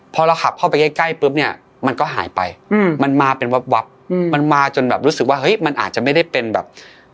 พอเราขับเข้าไปใกล้ใกล้ปุ๊บเนี่ยมันก็หายไปมันมาเป็นวับมันมาจนแบบรู้สึกว่าเฮ้ยมันอาจจะไม่ได้เป็นแบบ